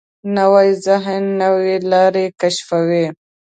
نوی ذهن نوې لارې کشفوي